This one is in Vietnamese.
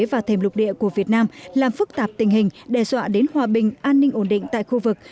và thềm lục địa của việt nam làm phức tạp tình hình đe dọa đến hòa bình an ninh ổn định tại khu vực